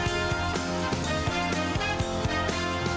สวัสดีครับ